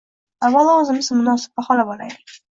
Avvalo, o‘zimiz munosib baholab olaylik.